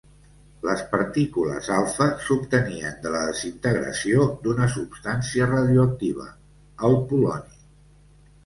Les partícules alfa s'obtenien de la desintegració d'una substància radioactiva, el poloni.